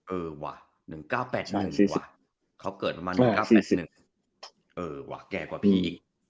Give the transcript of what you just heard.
ว่ะ๑๙๘๑ว่ะเขาเกิดประมาณ๑๙๘๑เออว่ะแก่กว่าพี่